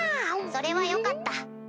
それはよかった。